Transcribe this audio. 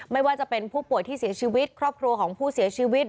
ไม่ว่าจะเป็นผู้ป่วยที่เสียชีวิตครอบครัวของผู้เสียชีวิต